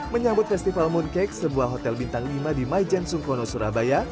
menyambut festival mooncake sebuah hotel bintang lima di maijen sungkono surabaya